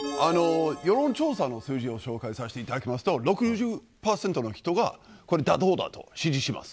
世論調査の数字を紹介しますと６０％の人が妥当だと支持します。